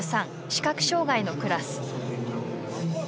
視覚障がいのクラス。